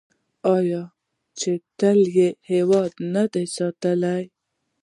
آیا چې تل یې هیواد نه دی ساتلی؟